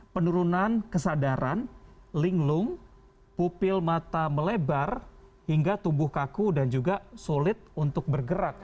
penurunan kesadaran linglung pupil mata melebar hingga tubuh kaku dan juga sulit untuk bergerak